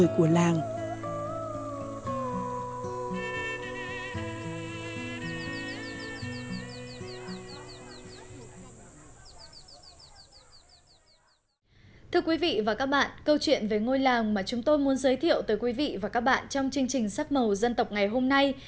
câu chuyện về ngôi làng mà chúng tôi muốn giới thiệu tới quý vị và các bạn trong chương trình sắc màu dân tộc ngày hôm nay